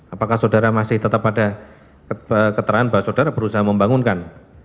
apakah saudara masih tetap ada keterangan bahwa saudara berusaha membangunkan